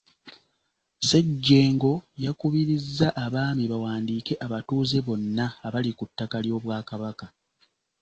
Ssejjengo yakubirizza abaami bawandiike abatuuze bonna abali ku ttaka ly’Obwakabaka.